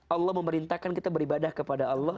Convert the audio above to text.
allah memerintahkan kita beribadah kepada allah